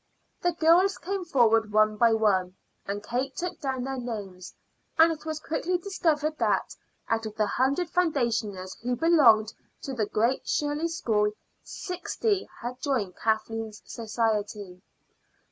The girls came forward one by one, and Kate took down their names; and it was quickly discovered that, out of the hundred foundationers who belonged to the Great Shirley School, sixty had joined Kathleen's society.